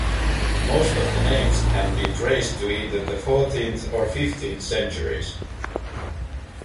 Most of the names can be traced to either the fourteenth or fifteenth centuries.